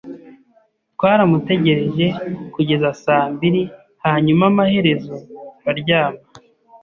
Twaramutegereje kugeza saa mbiri hanyuma amaherezo turaryama.